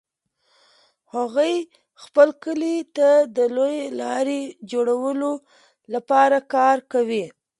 هغوی خپل کلي ته د لویې لارې جوړولو لپاره کار کوي